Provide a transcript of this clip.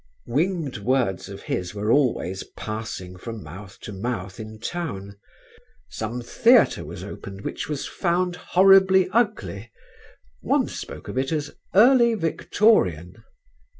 Winged words of his were always passing from mouth to mouth in town. Some theatre was opened which was found horribly ugly: one spoke of it as "Early Victorian."